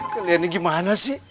kalian ini gimana sih